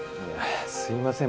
すいません。